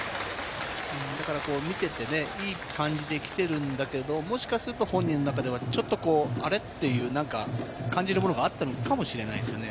見てて、いい感じで来てるんだけれども、もしかすると本人の中ではちょっと、あれ？っていう、何か感じるものがあったのかもしれないですね。